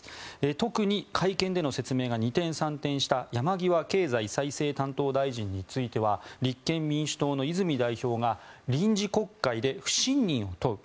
特に会見での説明が二転三転した山際経済再生担当大臣については立憲民主党の泉代表が臨時国会で不信任を問う。